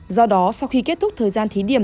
do đó sau khi kết thúc thời gian thí điểm